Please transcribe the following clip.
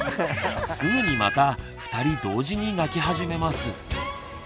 すぐにまた二人同時に泣き始めます。